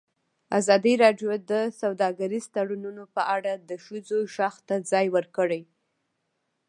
ازادي راډیو د سوداګریز تړونونه په اړه د ښځو غږ ته ځای ورکړی.